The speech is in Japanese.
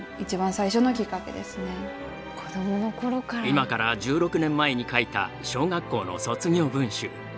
今から１６年前に書いた小学校の卒業文集。